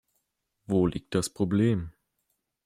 Wo liegt das Problem?